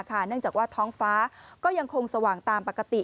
เนื่องจากว่าท้องฟ้าก็ยังคงสว่างตามปกติ